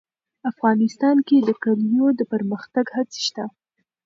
افغانستان کې د کلیو د پرمختګ هڅې شته.